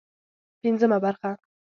پنځمه برخه